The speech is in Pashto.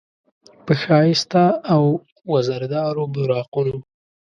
په ښایسته او وزردارو براقونو،